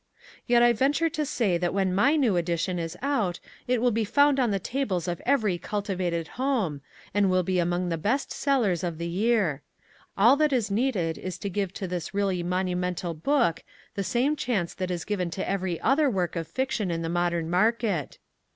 Yet I venture to say that when my new edition is out it will be found on the tables of every cultivated home, and will be among the best sellers of the year. All that is needed is to give to this really monumental book the same chance that is given to every other work of fiction in the modern market.